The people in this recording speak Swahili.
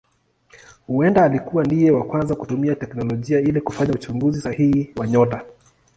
Huenda alikuwa ndiye wa kwanza kutumia teknolojia ili kufanya uchunguzi sahihi wa nyota.